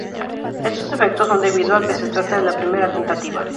Estos defectos son debido a que se trata de la primera tentativa.